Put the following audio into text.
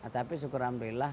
tapi syukur amri lah